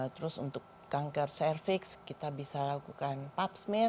terus untuk kanker cervix kita bisa lakukan pap smear